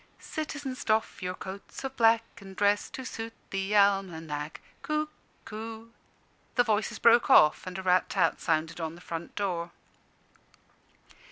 "Citizens, doff your coats of black, And dress to suit the almanack Cuckoo " The voices broke off, and a rat tat sounded on the front door.